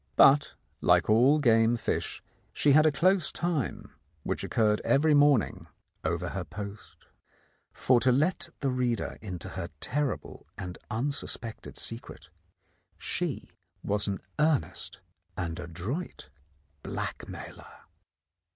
But, like all game fish, she had a close time, which occurred every morn ing over her post. For to let the reader into her terrible and unsuspected secret, she was an earnest and adroit blackmailer.